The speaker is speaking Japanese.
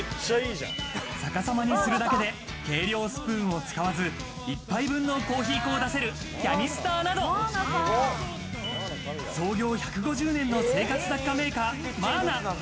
逆さまにするだけで計量スプーンを使わず１杯分のコーヒー粉を出せるキャニスターなど、創業１５０年の生活雑貨メーカー、マーナ。